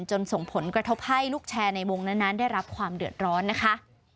ส่งผลกระทบให้ลูกแชร์ในวงนั้นได้รับความเดือดร้อนนะคะ